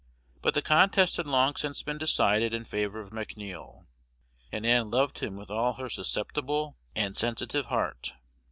But the contest had long since been decided in favor of McNeil, and Ann loved him with all her susceptible and sensitive heart.